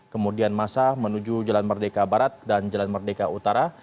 kemudian masa menuju jalan merdeka barat dan jalan merdeka utara